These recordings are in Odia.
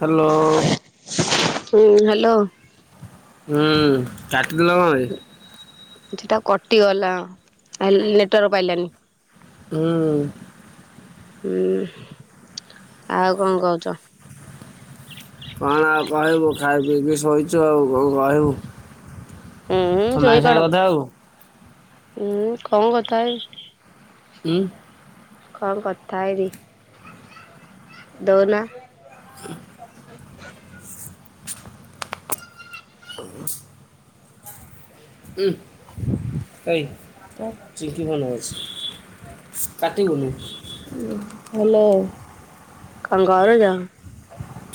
ହାଲୋ। ହୁଁ [unintelligible] ହୁଁ। କାଟି ଦେଲ କଅଁପ ଇଠିତ କଟିଗଲା ହାଲ୍ ନେଟୱାର୍କ ପାଇଲାନି। ହଁଉଁ। ହୁଁ ଆଉ କଣ କହୁଚ? କଣ ଆଉ କହିବୁ ଖାଇ ପିଇକି ଶୋଇଚୁ ଆଉ କଣ କହିବୁ? ହୁଁ ତୋ ମାଇଁ ସାଙ୍ଗେ କଥା ହବୁ। ଉଁ କଅଁ କଥା ହେବି? ଉଁମ୍। କଣ କଥା ହେବି? ଦଉନା। ଉଁ ଏଇ ଚିଙ୍କି ଫୋନ୍ କରିଚି କାଟିବୁନି ହାଲୋ। କଅଁ କରୁଚ?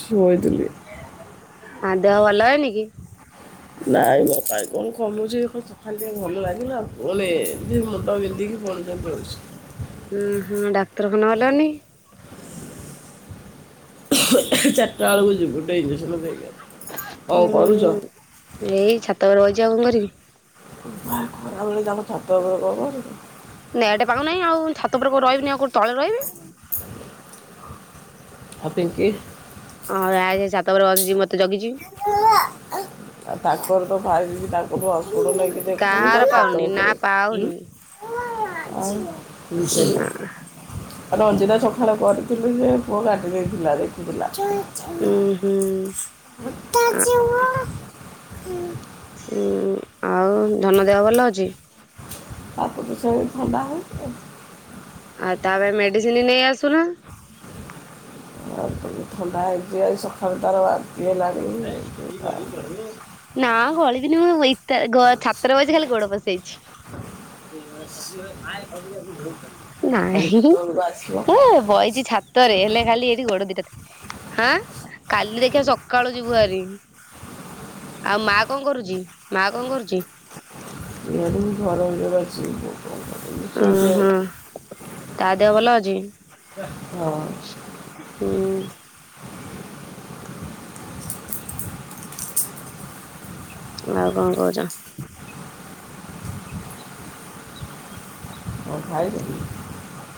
ଶୋଇ ଥିଲି। ଆଁ ଦେହ ଭଲ ହେଇନି କି? ନାଇଁ ମ କାଇଁ କନ୍ କମୁଚି ଖାଲି ସଖାଳେ ଟିକେ ଭଲ ଲାଗିଲା ପୁଣି ମୁଣ୍ଡ ବିନ୍ଧିକି ପୁଣି ବିନ୍ଧଉ ଉଁ ହୁଁ ଡାକ୍ତରଖାନା ଗଲନି। ଚାରଟା ବେଳକୁ ଯିବି ଗୁଟେ ଇଂଜେକ୍ସନ୍ ଦେଇକି ଆସି ଉୁଁ ଏଇ ଛାତ ଉପରେ ବଇଚି ଆଉ କଅଁ କରିବି? ବୋପା ଏ ଖରା ବେଳେ ତାଙ୍କ ଛାତ ଉପରେ କଅଁ କରୁଚ? ନେଟେ ପାଗନାଇଁ ଆଉ ଛାତ ଉପରେ କୋଉ ରହିବିନି ଆଉ କୋ-ତଳେ ରହିବି। ଆଉ ପିଙ୍କି। ହଁ ଆଇ ଛାତ ଉପରେ ବସିଚି ମତେ ଜଗିଛି [unintelligible] ଆ ତାଙ୍କର ଖାଇ ବିବି ତାଙ୍କ ଠୁ ଆଉ। ଉ-କାହାର ପାଉନି ନା ପାଉନି। [unintelligible] କଲ୍ ନା କରିଥିଲି ଯେ ପୁଅ କଟି ଦେଇଥିଲା ଦେଖୁଥିଲା। ଉଁ ହୁଁ। ବଟାଛି [unintelligible] ହୁଁ। ହୁଁ ଉଁ ଆଉ ଧନ ଦେହ ଭଲ ଅଛି? ତାକୁ ତ ସେଇ ଥଣ୍ଡା ହେଇଚି ଆଉ ଆଉ ତା ପାଇଁ ମେଡିସିନ ନେଇ ଆସୁନ। ଆ ଥନ-ଥଣ୍ଡା ହେଇଚି ଆଜି ସଖାଳୁ ତାର ବା ନା ଗଳି। ବିନି ମୋର ୱେ ତ୍ ଗ-ଛାତର ବଇଚି ଖାଲି ଗୋଡ ପସେଇଚି [unintelligible] କାଲି ନାହିଁ କେତେବେଳକୁ ଆସିବ ଏ ବଇଚି ଛାତରେ ହେଲେ ଖାଠି ଗୋଡ ଦିଟା ଥୋ ହାଆଁ। କାଲି ଦେଖିବା ସ ସକାଳୁ ଯିବୁ ହାରି ଆଉ ମା କଅଁ କରୁଚି ମା କଅଁ କରୁଚି? [inaudible] ଓ ହଁ ଶୋଇଥିବ ତା ଦେହ ଭଲ ଅଛି ହଁ ହୁଁ। ଆଉ କଣ କହୁଛ? ହ ଭାଇର ବି।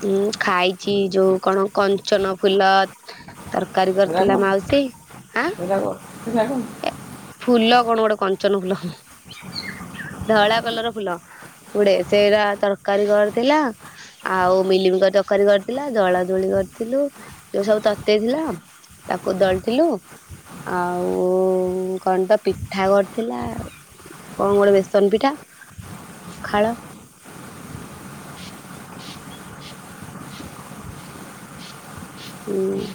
ଉଁ ଖାଇଛି ଯୋଉ କଣ କଞ୍ଚନ ଫୁଲ ତର କାରିଗର କଣ ଥିଲା ଏଇଟା ମାଉସୀ ଆଁ। କଣ ଏଇଟା କଣ ଏ ଫୁଲ କଣ ଗୋଟେ କ କାଞ୍ଚନ ଫୁଲ ଧଳା କଲର୍ ଫୁଲ ଗୁଡେ ସେରା ତରକାରୀ କରିଥିଲା ଆଉ ମିଲିମିକର ତରକାରୀ କରିଥିଲା ଦଳା ଦୁଳି କରିଥିଲୁ ଯୋଉ ସବୁ ତତେଇ ଥିଲା ତାକୁ ଦଳିଥିଲୁ ଆଉ ବୋଉ କଣ ତ ପିଠା କରିଥିଲା କଣ ଗୋଟେ ବେସନ ପିଠା ପଖାଳ। ହୁଁ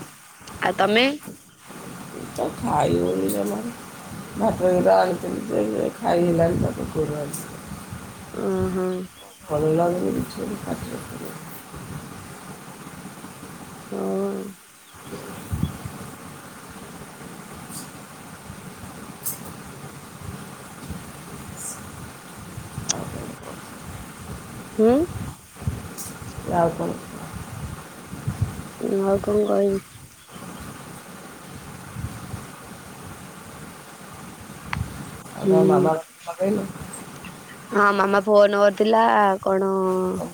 ଆଉ ତମେ? ଖାଇବୁ ବୋଲି [unintelligible] ଖାଇ ହେଲାନି [unintelligible] ଓ ହୋ। ଭଲ ଲାଗୁନି କିଛି ଫୋନ୍। ଆଉ କଣ କରିବି? ହୁଁ। ଆଉ କଣ? ମୁଁ ଆଉ କଣ କହିବି। ଆଉ ହୁଁ ତମ ମାମା [unintelligible] ହଁ ମାମା ଫୋନକରିଥିଲା କଣ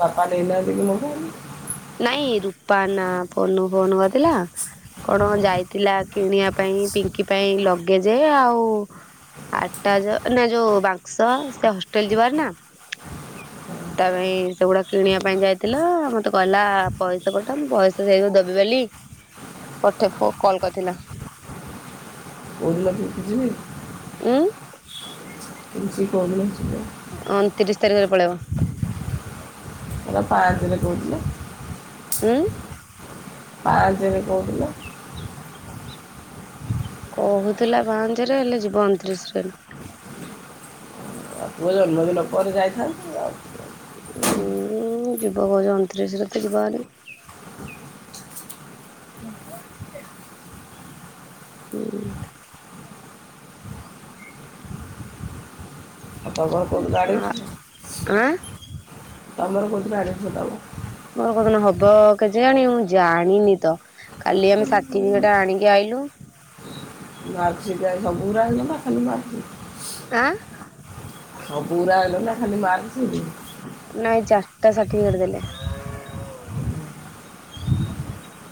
ବାପା ନେଇ ନାହାନ୍ତି। [inaudible] ନାଇଁ ରୂପା ନା ଫୋନ ଫୋନ କରିଥିଲା କଣ ଯାଇଥିଲା କିଣିବା ପାଇଁ ପିଙ୍କି ପାଇଁ ଲଗେଜ ଆଉ ଆଟାଜ ଯୋଉ ବାକ୍ସ ସେ ହଷ୍ଟେଲ ଯିବାର ନା ତା ପାଇଁ ସେଗୁଡା କିଣିବା ପାଇଁ ଯାଇଥିଲା ମତେ କହିଲା ପଇସା ପଠା ମୁଁ ପଇସା ଦେଇ ଦବି ବୋଲି ମୋତେ ଫୋ କଲ କରିଥିଲା। [unintelligible] ଯିବି। ହୁଁ। [inaudible] ଅଣତିରିଶ ତାରିଖରେ ପଳେଇବ। ଏ ପାୟଲ କଥା କହୁଥିଲ। ଉଁ ପାଞ୍ଚରେ କହୁଥିଲ। କହୁଥିଲା ପାଞ୍ଚରେ ହେଲେ ଯିବ ଅଣତିରିଶ ରେ। ଆଉ ପୁଅ ଜନ୍ମଦିନ ପରେ ଯାଇଥାନ୍ତା ଆଉ। ଉଁ ଜିବ କହୁଛ ଅଣତିରିଶ ରେ ଯିବହାରି। ହୁଁ। ଆଉ ତାଙ୍କର କୋଉଠି ଗାଡିଛି କଣ? ଆଁ ତମର କୋଉଥିରେ ଆଡମିସନ୍ କରିଲ? ମୋର କୋଉଦିନ ହବ କେଜାଣି ମୁଁ ଜାଣିନି ତ। କାଲି ଆମେ ସାଟିଫିକେଟ ଆଣିକି ଆଇଲୁ। [unintelligible] ଆଁ। ସବୁ ଗୁରା ଆଣିଲନା ଖାଲି ମାର୍କସିଟ୍। ତା ସାର୍ଟିଫିକେଟ ଦେଲେ।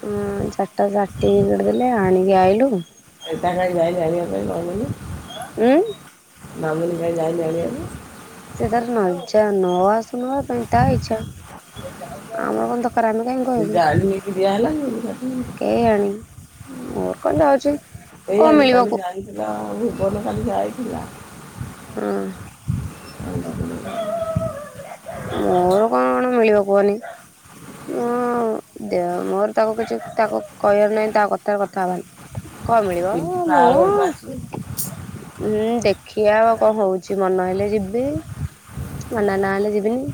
ହଁ ଚାରଟା ସାଟି କରିଦେଲେ ଆଣିକି ଆଇଲୁ। ଏଟା ଖାଇବା ଏଇ ଆଣିବା ପାଇଁ ଗଲୁନି। ଉଁ। ମାମୁନି କାଇ ଯାଇନି ଆଣିଆକୁ। ସେ ତାର ନ ଯାଉ ନ ଆସୁ ନବା ପାଇଁ ତା ଇଚ୍ଛା ଆମର ଙ୍କ ଦ ଏଇ ଯାଇ ଏଠି ଦିଆହେଲା ଆଉ। [unintelligible] ମର କଣ ଯାଉଛି। କଣ ସେଇଆକୁ ମିଳିବ କାଲି କୁ ଯାଇଥିଲା। ଆଉ ଭୁବନ କାଲି ଯାଇଥିଲା। ହଁ। ମୋର କଣ ମିଳିବ କୁହନି ମୁଁ ଦେ ମୋର ତାକୁ କିଛି ତାକୁ କହିବାର ନାହିଁ ତା କଥାରେ କଥା ହବାନି। କଣ ମିଳିବ ପିଙ୍କି ବାହାଘରକୁ ମୁଁ। ଆସିବେ ହୁଁ ଦେଖିବା ଆଉ କଣ ହଉଛି ମନ ହେଲେ ଯିବି ମନ ନ ହେଲେ ଯିବିନି।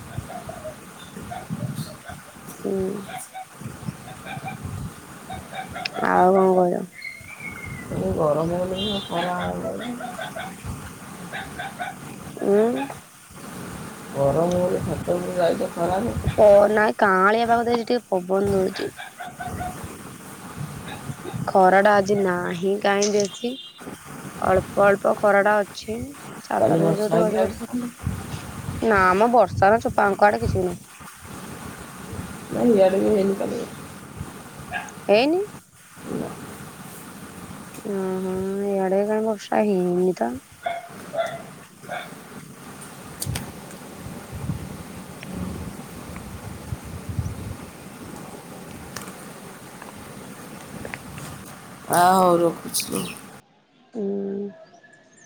ହୁଁ ଆଉ କଣ କହୁଛ। [unintelligible] ତମେ ଗଲେ ବୋଲି ଖରା ହବନି। ଉଁ। ଗରମ ହଉଛି ଛାତ ଉପରକୁ ଆଇଲେ। ହ ନା କାଆଁଳିଆ। ପାଗ ଦେଇଚି ଟିକେ ପବନ ଦଉଛି। ଖରା ଟା ଆଜି ନାହିଁ କାହିଁ ବେଶୀ ଅଳ୍ପ ଅଳ୍ପ ଖରା ଟା ଅଛି। କାଲି ଛାତରେ ଯୋଉ ବର୍ଷା ହେଇକି ଟିକେ ବସି ଲାଗିଥିଲା ପଡିଛି ନା ମ। ବର୍ଷା ନା ଚୁପା ଆଙ୍କ ଆଡେ କିଛିି ବି ନାହିଁ। ନାଇ ଇଆଡେ ବି ହେଇନି କାଲି ବର୍ଷା। ହେଇନି। ନା, ଓ ହ ଇଆଡେ ଏକା ବର୍ଷା ହେଇନି ତ। ଆ ହଉ ରଖୁଛି ଲୋ। ହୁଁ।